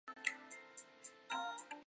有人怀疑草庵居士的真实身份。